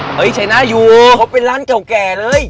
เฮ้ยใช่หน้าอยู่เค้าเป็นร้านเก่าแก่เลย